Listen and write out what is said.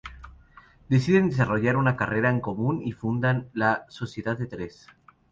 Deciden desarrollar una carrera en común, y fundan la "Sociedad de Tres".